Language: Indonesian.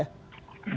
jadi kita mengharapkan